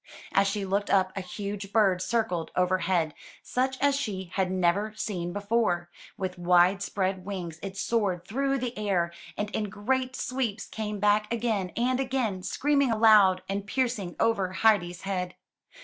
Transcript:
As she looked up, a huge bird circled overhead, such as she had never seen before; with wide spread wings it soared through the air, and in great sweeps came back again and again, screaming loud and piercingly over Heidi*s head.